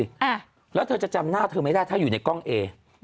อ่าแล้วเธอจะจำหน้าเธอไม่ได้ถ้าอยู่ในกล้องเอ